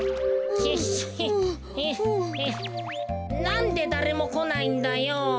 なんでだれもこないんだよ。